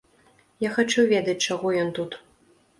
Я хачу ведаць, чаго ён тут.